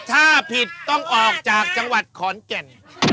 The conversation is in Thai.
ถ้าผิดต้องออกจากจังหวัดขอนแก่น